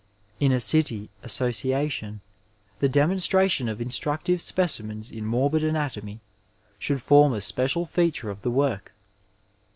In a city association the demonstration of instructive specimens in morbid anatomy should form a special feature of thework.